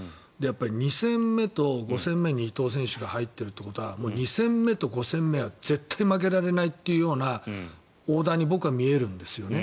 ２戦目と５戦目に伊藤選手が入っているということはもう２戦目と５戦目は絶対に負けられないというようなオーダーに僕は見えるんですよね。